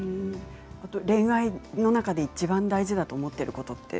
恋愛の中でいちばん大事だと思っていることって？